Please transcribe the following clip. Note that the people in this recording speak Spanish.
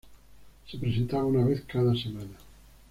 Se presentaba una vez cada semana.